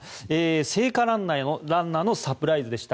聖火ランナーのサプライズでした。